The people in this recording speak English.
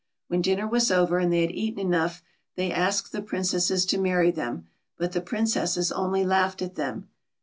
When dinner was over, and they had eaten enough, they asked the Princesses to marry them ; but the Princesses only laughed at them.